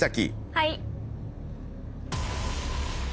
はい。